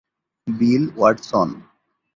বিল Watson.